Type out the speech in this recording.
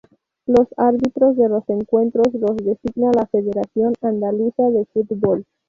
Los árbitros de los encuentros los designa la Federación Andaluza de Fútbol.